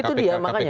itu dia makanya